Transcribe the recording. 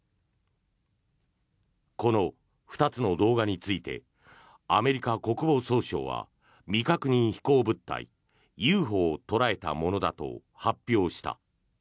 この２つの動画についてアメリカ国防総省は未確認飛行物体ＵＦＯを捉えたものだと発表した。